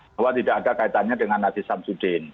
bahwa tidak ada kaitannya dengan aziz samsudin